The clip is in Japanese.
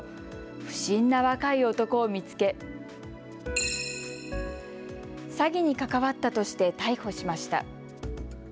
不審な若い男を見つけ詐欺に関わったとして逮捕しました。